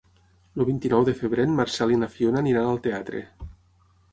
El vint-i-nou de febrer en Marcel i na Fiona aniran al teatre.